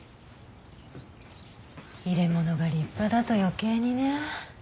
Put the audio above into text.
入れ物が立派だと余計にね。